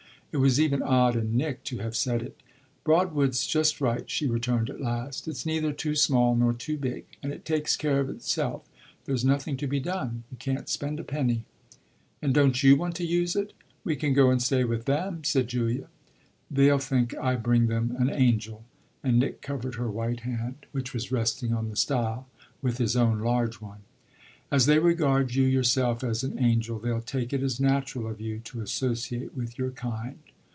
It was even odd in Nick to have said it. "Broadwood's just right," she returned at last. "It's neither too small nor too big, and it takes care of itself. There's nothing to be done: you can't spend a penny." "And don't you want to use it?" "We can go and stay with them," said Julia. "They'll think I bring them an angel." And Nick covered her white hand, which was resting on the stile, with his own large one. "As they regard you yourself as an angel they'll take it as natural of you to associate with your kind."